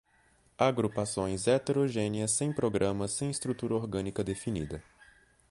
Agrupações heterogêneas sem programa, sem estrutura orgânica definida